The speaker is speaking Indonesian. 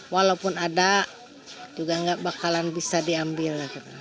walaupun ada juga nggak bakalan bisa diambil